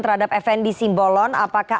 terhadap fnd simbolon apakah